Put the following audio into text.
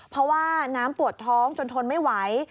เพราะว่าน้ำปวดท้องจนทนไม่ไหว